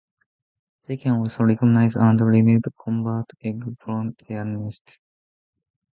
They can also recognize and remove cowbird eggs from their nests.